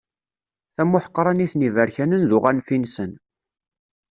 Tamuḥeqranit n yiberkanen d uɣanfi-nsen.